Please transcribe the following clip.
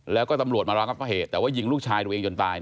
แล้วก็ตำรวจมารองรับเหตุแต่ว่ายิงลูกชายตัวเองจนตาย